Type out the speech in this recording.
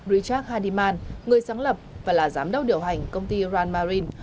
richard hardiman người sáng lập và là giám đốc điều hành công ty rand marine